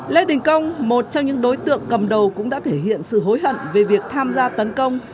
lê đình công một trong những đối tượng cầm đầu cũng đã thể hiện sự hối hận về việc tham gia tấn công